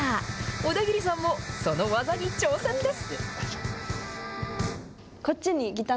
小田切さんも、その技に挑戦です。